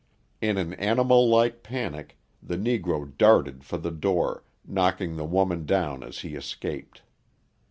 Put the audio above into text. In an animal like panic, the Negro darted for the door, knocking the woman down as he escaped.